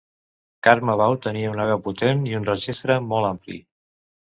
Carme Bau tenia una veu potent i un registre molt ampli.